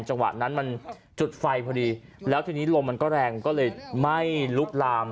จังหวะนั้นมันจุดไฟพอดีแล้วทีนี้ลมมันก็แรงก็เลยไหม้ลุกลาม